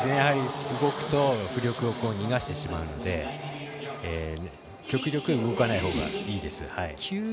動くと浮力を逃がしてしまうので極力動かないほうがいいです。